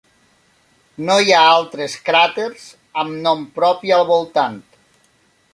No hi ha altres cràters amb nom propi al voltant.